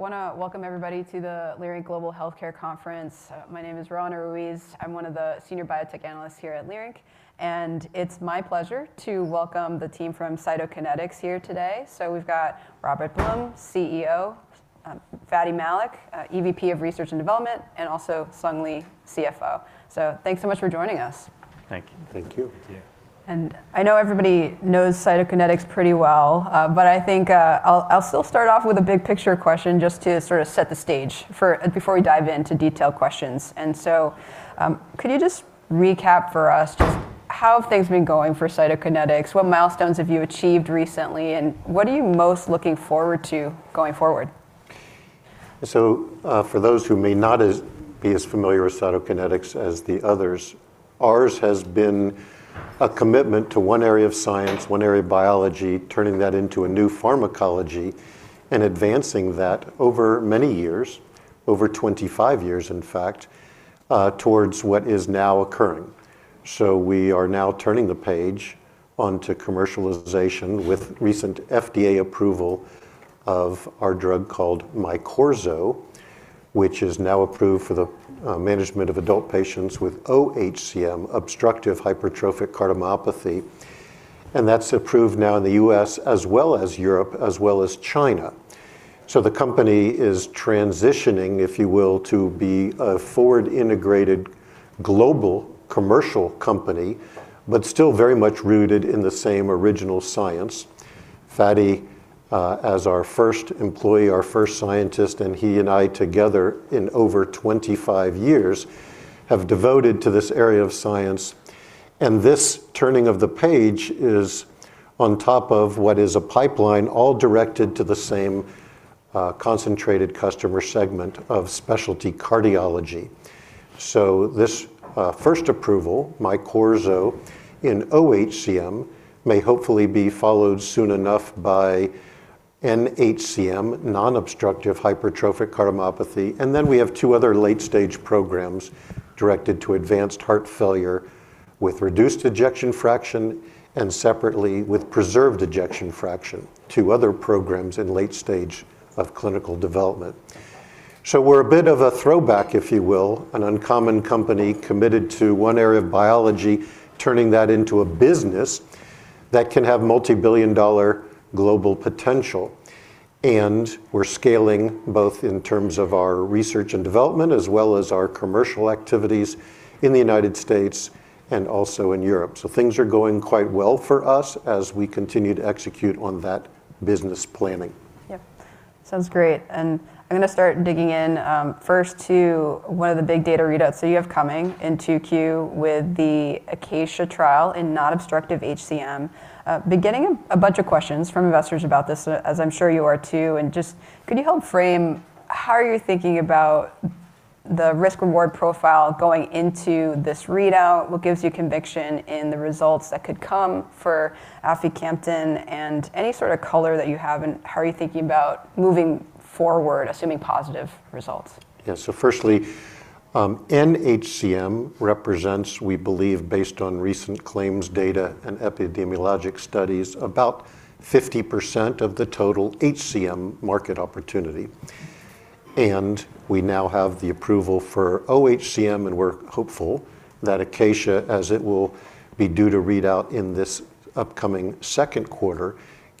Wanna welcome everybody to the Leerink Global Healthcare Conference. I'm Roanna Ruiz, one of the senior biotech analysts here at Leerink, and it's my pleasure to welcome the team from Cytokinetics today. We've got Robert Blum, CEO; Fady Malik, EVP of Research and Development; and Ching W. Jaw, CFO. Thanks so much for joining us. Thank you. Thank you. Thank you. I know everybody knows Cytokinetics pretty well, but I'll start with a big-picture question to set the stage before we dive into details. Could you recap how things have been going for Cytokinetics, what milestones you've achieved recently, and what you're most looking forward to going forward? For those who may not be as familiar, ours has been a commitment global potential. We're growing R&D and commercial activities in the U.S. and Europe, and things are going well. Sounds great. Let's dig into the upcoming ACACIA-HCM in nHCM. Investors have questions about the risk-reward profile. Could you explain your thinking on this readout, what gives you conviction for aficamten, and how you plan to move forward assuming positive results? nHCM represents about 50% of the HCM market opportunity. We now have approval for oHCM, and we’re hopeful ACACIA-HCM, with readout in Q2,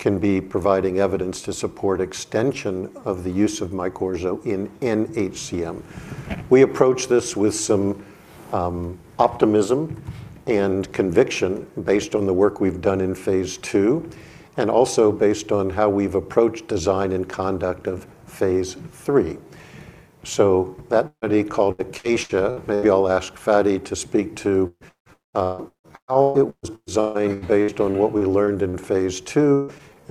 can support MYQORZO in nHCM. We are optimistic based on phase 2 work and the design and conduct of phase 3. I’ll ask Fady to speak about the trial design and our optimism. ACACIA was designed using phase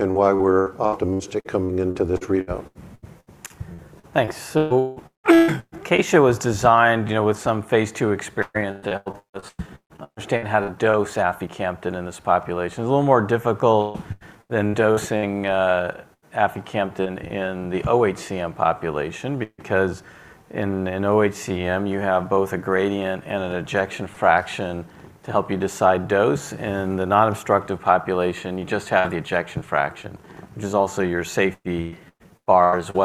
2 experience to understand dosing in nHCM. Unlike oHCM, which has both a gradient and ejection fraction for dosing, nHCM only has ejection fraction, which also sets our safety bar. Phase 2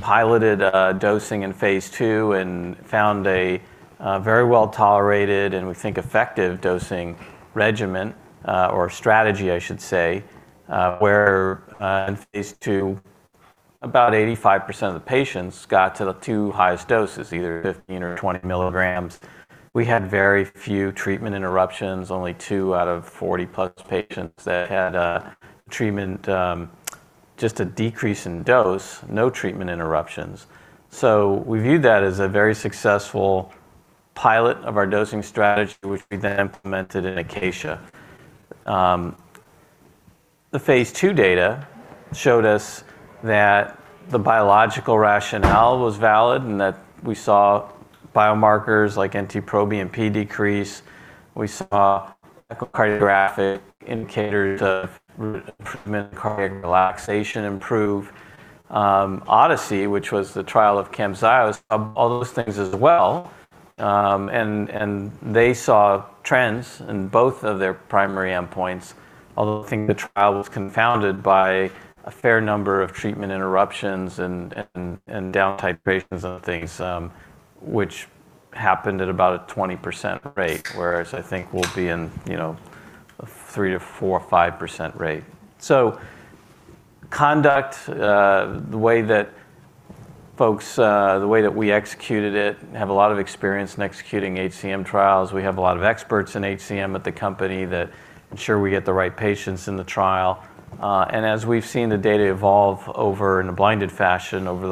piloted dosing successfully: about 85% of patients reached the two highest doses, 15 or 20 mg. We had very few treatment interruptions—only 2 out of 40+ patients required a dose decrease, no treatment interruptions. That was a successful pilot of our dosing strategy, which we then implemented in ACACIA. Phase 2 data showed the biological rationale was valid, with biomarkers like NT-proBNP decreasing. Echocardiographic indicators of cardiac relaxation improved. In ODYSSEY-HCM, the trial of Camzyos, similar trends were seen, though that trial had about a 20% rate of treatment interruptions, whereas we expect around 3–5%. In terms of trial conduct, we have extensive experience with HCM trials and many in-house experts to ensure the right patients enter the study. Over the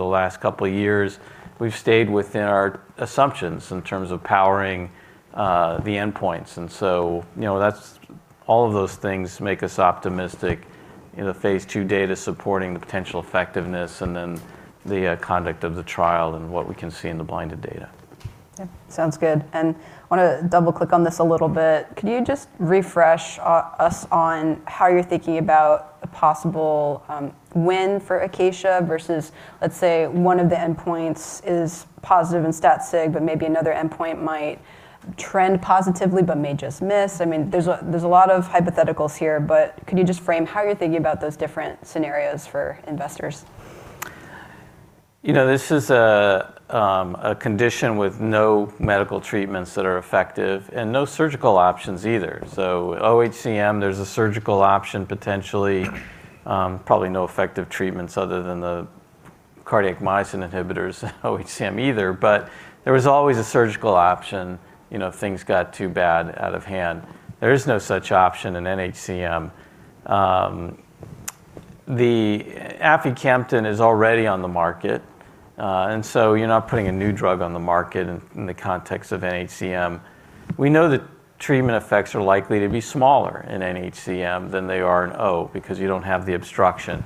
last couple of years, blinded data have evolved within our assumptions for powering endpoints. All of this supports confidence in phase 2 data and the trial’s conduct. Sounds good. I want to double-click a bit. How are you thinking about a possible win for ACACIA if, say, one endpoint is statistically significant but another just trends positively or narrowly misses? Can you frame how you think about these different scenarios for investors? nHCM has no effective medical or surgical treatments. In oHCM, surgical options exist, but nHCM has none. Treatment effects are likely smaller in nHCM because there is no obstruction,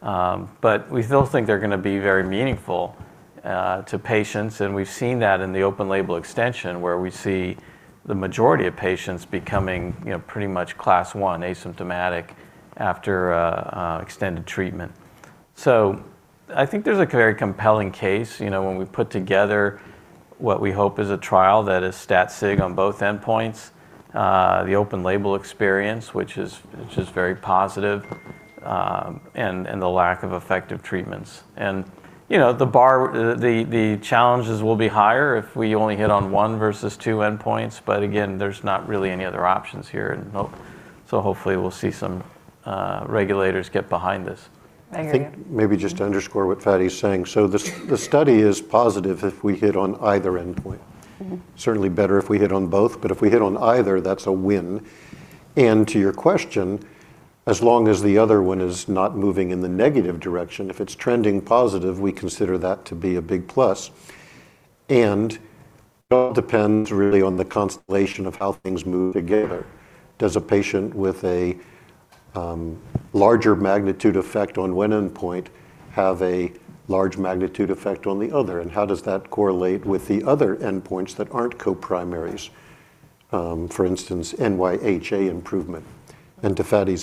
but even smaller effects are meaningful. We’ve seen meaningful results in open-label extensions, with the majority of patients becoming essentially Class I and asymptomatic after extended treatment. Combining a trial positive on both endpoints, the open-label experience, and the lack of effective treatments makes a compelling case. Challenges increase if only one endpoint is met, but there are few alternatives. Regulators may still support the therapy. I agree. I think to underscore Fady’s point, the study is positive if we hit on either endpoint. .. It’s certainly better if both endpoints are met, but hitting either is a win. As long as the other endpoint isn’t moving negatively, a positive trend is a big plus. It depends on how endpoints move together. Does a larger effect on one endpoint correspond to a larger effect on the other? How does it correlate with non-co-primary endpoints like NYHA improvement? Observing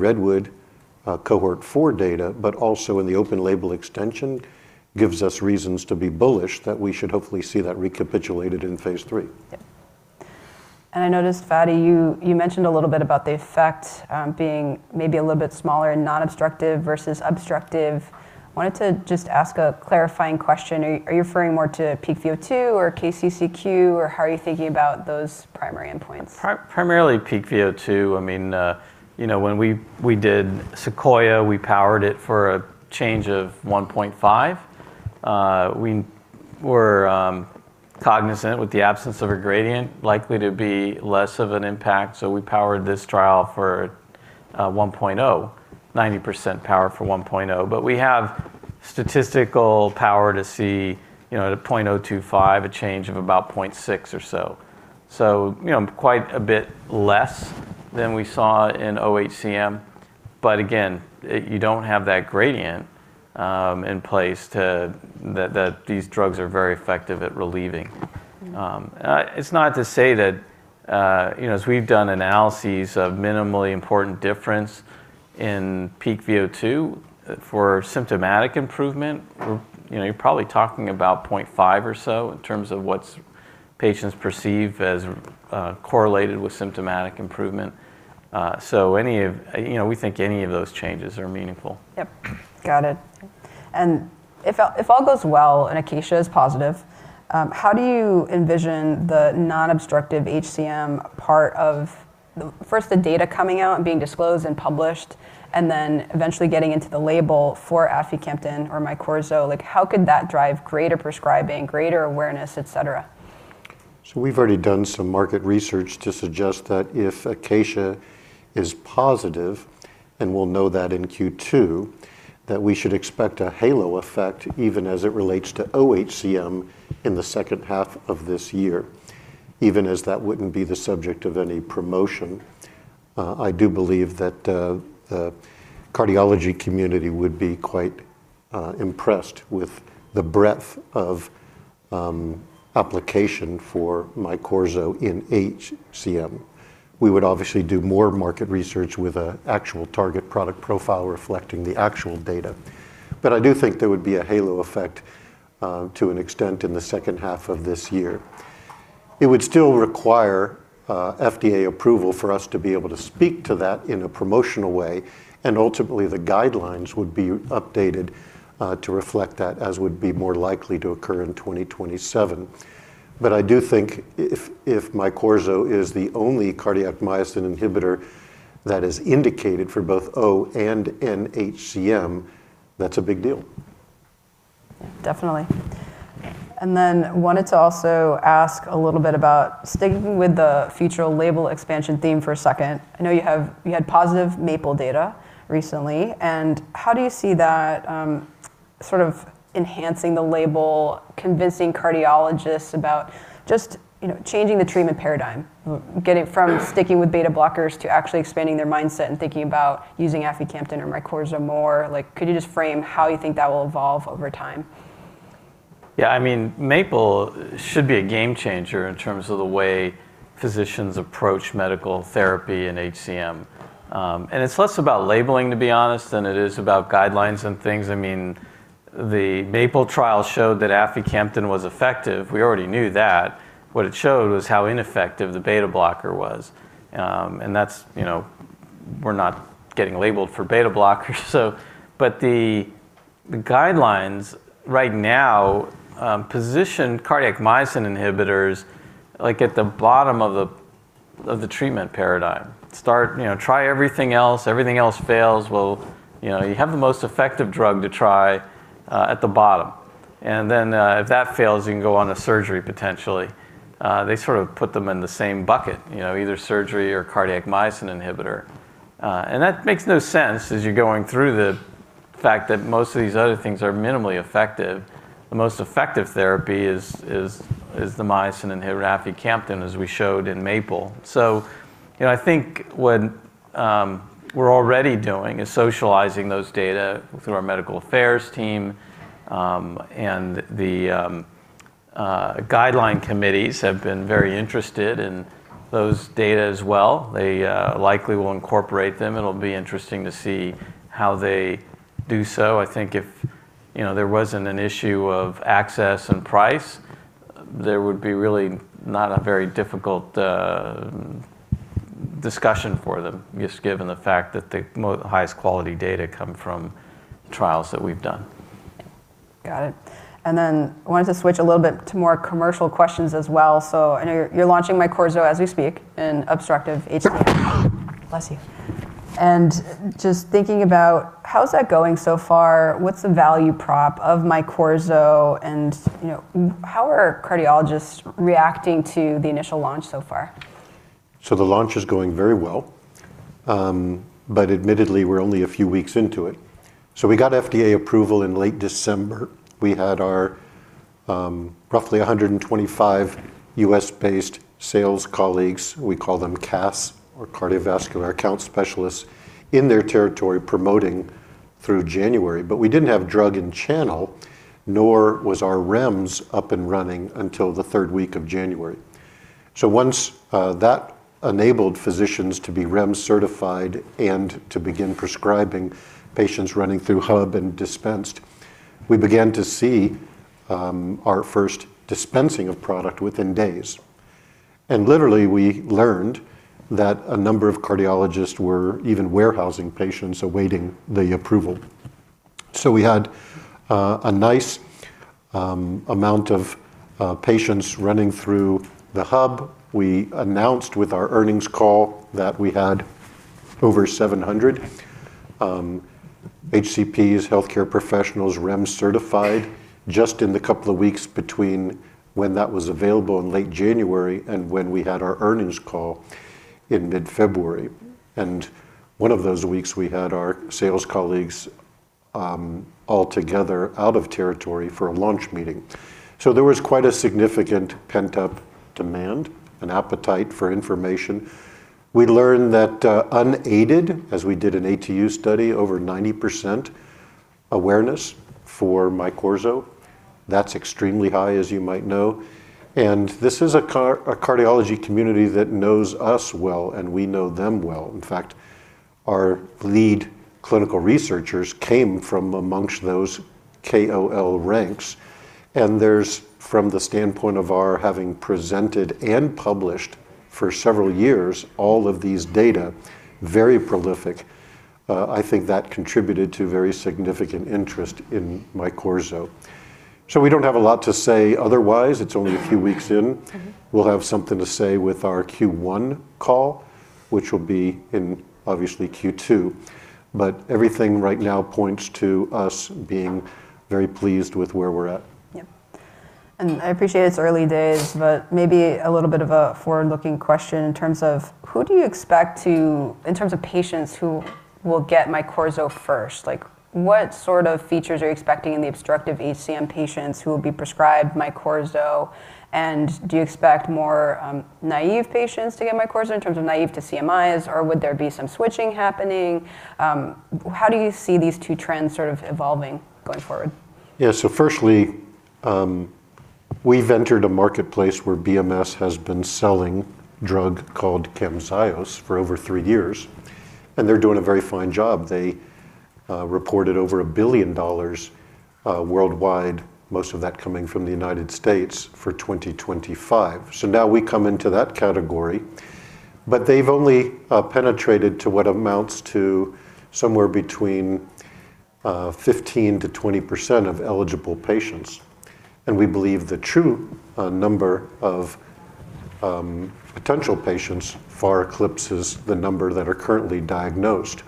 REDWOOD-HCM cohort 4 and open-label extension data gives us reason to be optimistic for phase 3. Fady, you mentioned effects might be smaller in non-obstructive versus obstructive HCM. Are you referring to peak VO2, KCCQ, or both when considering primary endpoints? Primarily peak VO2. In SEQUOIA-HCM, we powered for a 1.5 change. Without a gradient, impact is likely smaller, so we powered this trial for 1.0, with 90% power. At a 0.025 threshold, we can detect a change of around 0.6, less than in oHCM. Without the gradient, the drugs are still effective. This doesn’t mean smaller changes aren’t meaningful. Analyses of minimally important differences in peak VO2 suggest even 0.5 changes correlate with symptomatic improvement. We believe these changes are clinically meaningful. Got it. If ACACIA is positive, how do you envision the non-obstructive HCM data being disclosed and eventually getting into the label for aficamten or MYQORZO? How could that drive greater prescribing and awareness? We've done market research suggesting that if ACACIA is positive—and we’ll know that in Q2—we should see a halo effect even for oHCM in the second half of this year, even without promotion. The cardiology community would likely be impressed with the breadth of MYQORZO’s application in HCM. We’d also refine the target product profile with actual data. There should be some halo effect in the latter half of the year. Of course, FDA approval is required to promote these findings. Guidelines would likely reflect updates around 2027. If MYQORZO becomes the only cardiac myosin inhibitor indicated for both O and nHCM, that’s a significant milestone. Sticking with the label expansion theme, you had positive MAPLE-HCM data recently. How do you see that enhancing the label, shifting cardiologists from beta blockers, and encouraging use of aficamten or MYQORZO? How will that evolve over time? MAPLE-HCM could be a game changer in medical therapy for HCM. It’s less about labeling and more about guidelines. The trial showed aficamten’s effectiveness and highlighted beta blockers’ limitations. Guidelines currently position cardiac myosin inhibitors at the bottom: try everything else first. In reality, the most effective therapy is placed last. If that fails, surgery may be considered. It doesn’t make sense because most other therapies are minimally effective. MAPLE-HCM demonstrates aficamten as the most effective therapy. We are sharing these data through medical affairs and guideline committees, who have shown strong interest. If access and pricing weren’t issues, discussions would be straightforward since the highest-quality data come from our trials. Switching to commercial questions, you’re launching MYQORZO in oHCM. How is that going so far? What’s the value proposition and cardiologists’ reaction? The launch is going well. FDA approval came in late December. About 125 U.S.-based Cardiovascular Account Specialists promoted in their territories through January. Drug supply and REMS weren’t fully operational until the third week of January. Once enabled, physicians could prescribe, and first dispensing happened within days. Some cardiologists had patients waiting for approval. By our mid-February earnings call, over 700 HCPs were REMS-certified in just a few weeks. One week included a launch meeting with sales colleagues out of territory. There was significant pent-up demand. In an ATU study, MYQORZO awareness exceeded 90%, which is extremely high in this cardiology community familiar with us. Our lead clinical researchers also come from these KOL ranks. Having presented and published these data over several years contributed to strong MYQORZO interest. It’s only been a few weeks, so there isn’t much more to report yet.... We’ll have updates on the Q1 call in Q2. For now, we’re very pleased with the launch progress. Early days, but looking forward, which patients will likely get MYQORZO first? Do you expect treatment-naive patients or some switching? How will these trends evolve? BMS has sold Camzyos for over 3 years, reporting $1B worldwide in 2025, mostly in the U.S. They’ve reached 15–20% of eligible patients. Many undiagnosed patients exist,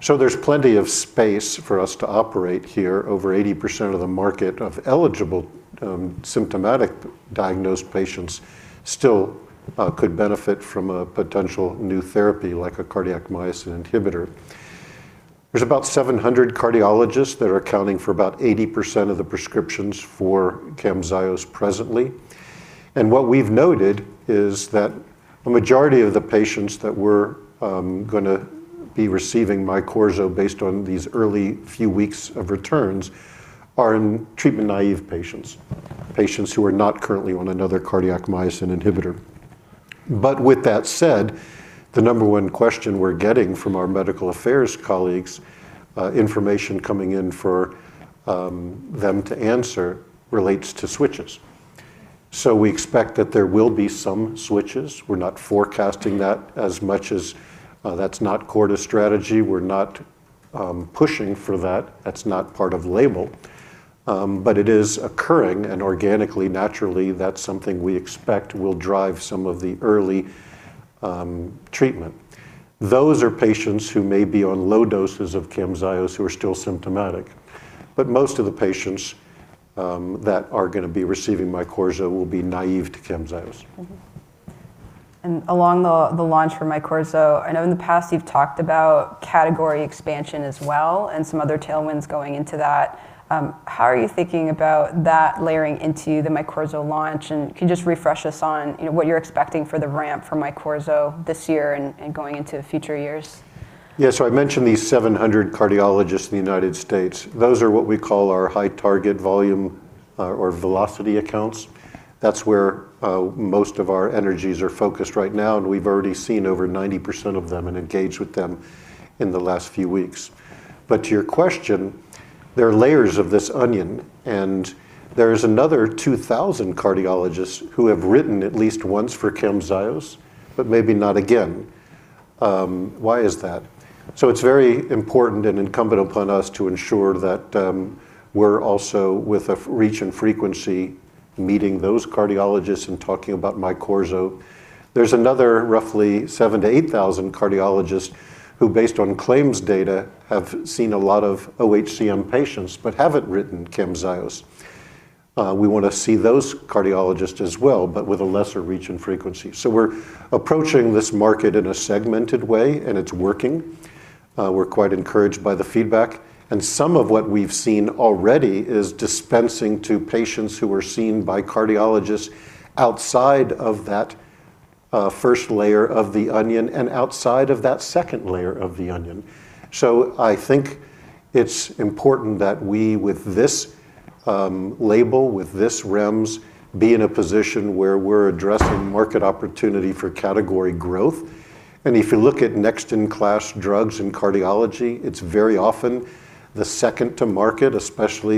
so there’s ample space for MYQORZO. About 700 cardiologists account for 80% of Camzyos prescriptions. Most early MYQORZO patients are treatment-naive. Switches are expected but aren’t core to strategy or the label. Some patients on low-dose Camzyos who remain symptomatic will naturally switch. Most patients receiving MYQORZO will be naive to Camzyos. How does category expansion and other tailwinds layer into the MYQORZO launch? What do you expect for the ramp this year and in future years? We’re focusing on 700 high-volume U.S. cardiologists, already engaged over 90%. Another 2,000 have prescribed Camzyos at least once, and 7,000–8,000 have seen many oHCM patients but haven’t prescribed Camzyos. It’s important to reach and engage all these groups about MYQORZO. We want to see those cardiologists as well, but with less reach and frequency. We’re approaching this market in a segmented way, and it’s working. Feedback has been encouraging. Some dispensing is already happening outside the first and second layers. With this label and REMS, we aim to address market opportunity for category growth. Often, second-to-market cardiology drugs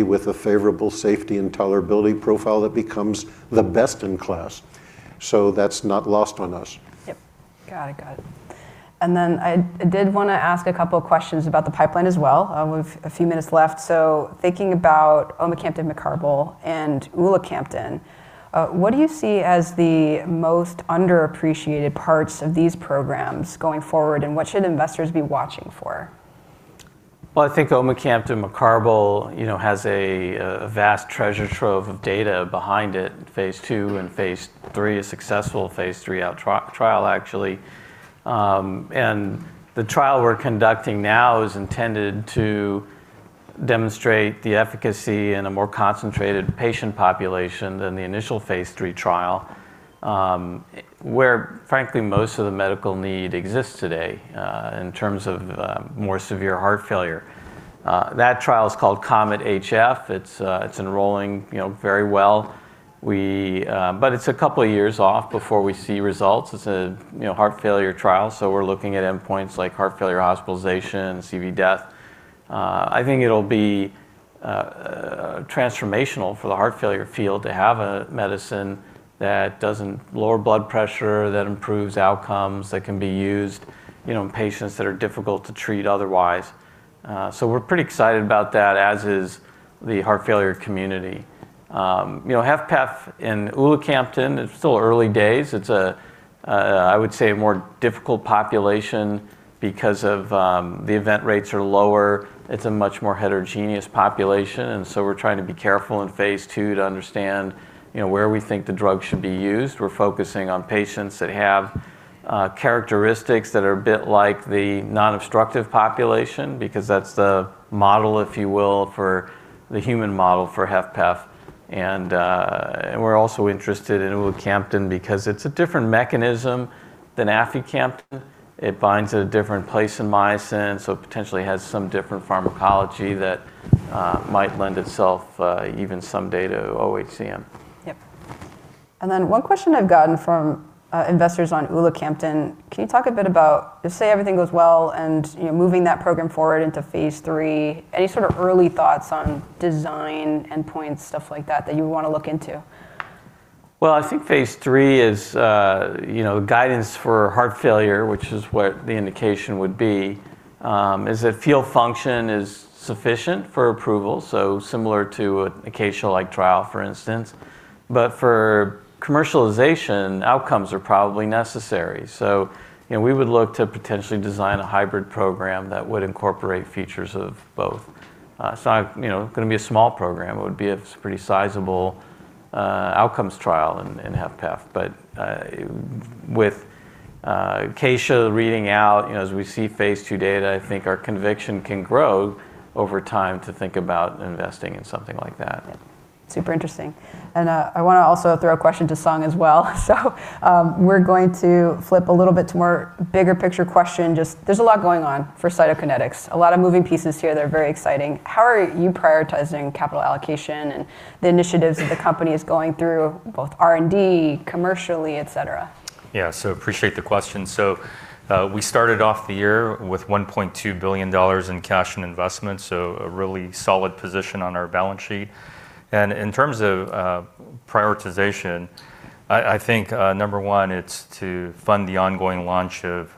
with strong safety and tolerability profiles become best-in-class. That’s not lost on us. Got it. A couple of pipeline questions: omecamtiv mecarbil and ulacamten—what are the most underappreciated aspects of these programs, and what should investors watch? Omecamtiv mecarbil has extensive phase 2 and phase 3 data, including a successful phase 3 trial. The ongoing trial, COMET-HF, targets a concentrated population with more severe heart failure. It’s enrolling well, with results expected in about 2 years. Endpoints include heart failure hospitalization and cardiovascular death. This could transform heart failure care with a drug that doesn’t lower blood pressure and improves outcomes for difficult-to-treat patients. HFpEF in ulacamten is early stage, with lower event rates and a heterogeneous population. Phase 2 focuses on patients similar to the non-obstructive HCM population as a model for HFpEF. We’re also interested in ulacamten because it has a different myosin binding site than aficamten, which may offer distinct pharmacology, potentially relevant even to oHCM. One question from investors on ulacamten: if everything goes well and the program moves into phase 3, any early thoughts on trial design or endpoints? Phase 3 guidance for heart failure would rely on function and outcomes. We might design a hybrid program incorporating features of both approaches. It would be a small program, but a sizable outcomes trial in HFpEF. With ACACIA-HCM data, our conviction to invest in such a program could grow over time. Super interesting. A bigger-picture question: Cytokinetics has many moving pieces. How are you prioritizing capital allocation across R&D, commercial, and other initiatives? We started the year with $1.2 billion in cash and investments, a solid position. Priorities include funding the ongoing U.S. launch of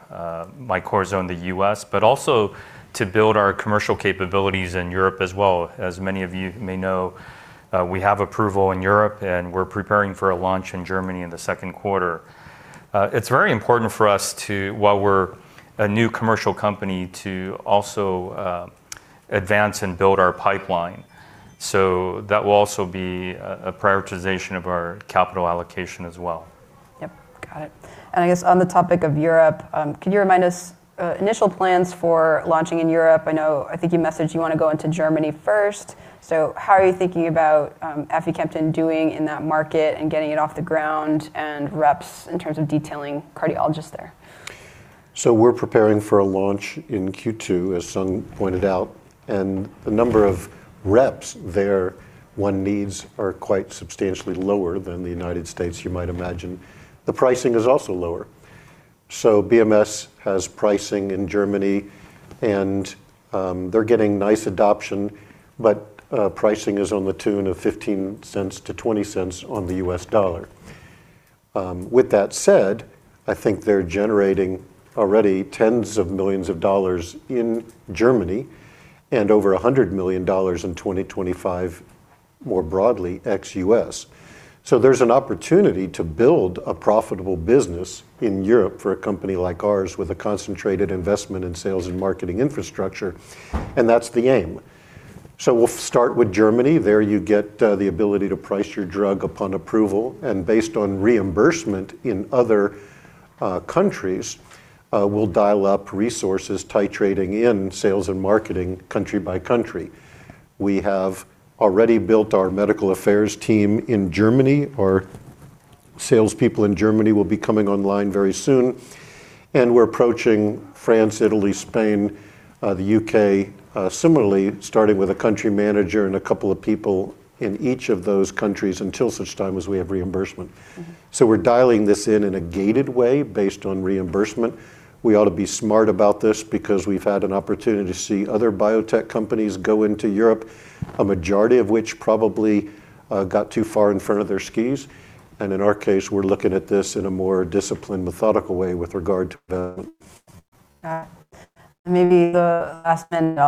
MYQORZO and building commercial capabilities in Europe, where we have approval and are preparing to launch in Germany in Q2. We’re also advancing our pipeline, which remains a key capital allocation focus. Got it. For Europe, initial plans for Germany: how are you approaching aficamten launch and detailing cardiologists? Launch is planned for Q2. Germany requires fewer reps than the U.S., and pricing is lower—15–20% of the U.S. dollar. BMS has already generated tens of millions in Germany and over $100M ex-US in 2025. Our goal is to build a profitable European business with concentrated investment in sales and marketing, starting with Germany. We’ll scale resources country by country, based on reimbursement. Our medical affairs team in Germany is established, and sales reps will be online soon. We’re taking a similar approach in France, Italy, Spain, and the UK, starting small until reimbursement is secured.... We’re taking a gated, disciplined approach to Europe. Others may have expanded too quickly, but we’re pacing methodically.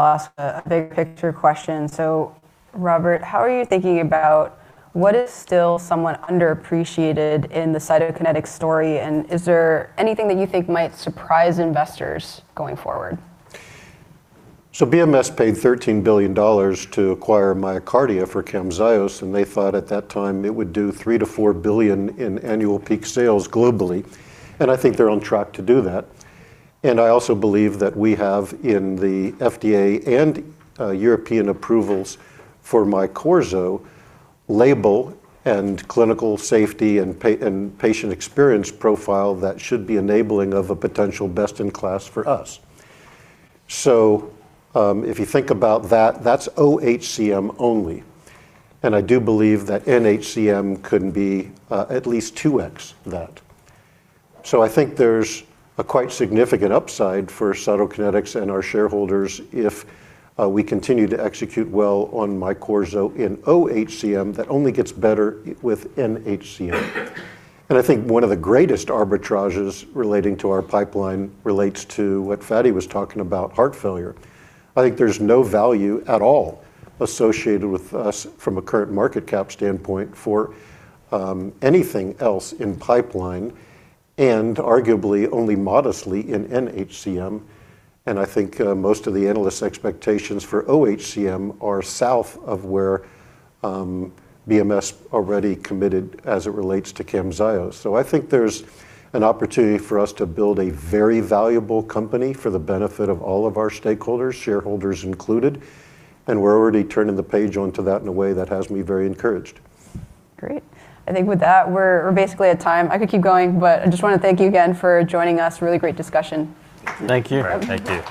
Last question: what’s still underappreciated in Cytokinetics’ story, and what might surprise investors? BMS paid $13B for MyoKardia, expecting $3–4B peak sales for Camzyos globally. They are on track. MYQORZO’s FDA and European approvals, clinical safety, and patient experience could make it best-in-class. That’s just oHCM; nHCM could at least double the opportunity. Significant upside exists if we execute well. Pipeline arbitrage is notable, particularly heart failure. Current market cap doesn’t reflect pipeline value, and analyst expectations for oHCM are below BMS Camzyos commitments. We have an opportunity to build substantial shareholder value and are already moving in that direction. Great. That wraps our time. Thank you all for joining—really great discussion. Thank you. Thank you.